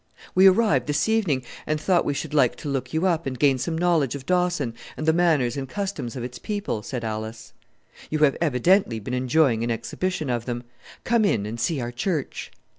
"We arrived this evening, and thought we should like to look you up and gain some knowledge of Dawson, and the manners and customs of its people," said Alice. "You have evidently been enjoying an exhibition of them. Come in and see our church."